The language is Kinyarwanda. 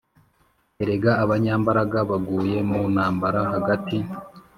Erega abanyambaraga baguye mu ntambara hagati!